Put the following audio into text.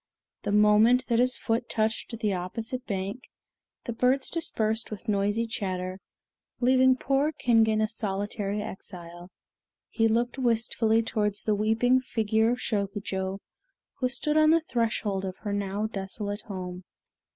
The moment that his foot touched the opposite bank, the birds dispersed with noisy chatter, leaving poor Kingen a solitary exile. He looked wistfully towards the weeping figure of Shokujo, who stood on the threshold of her now desolate home.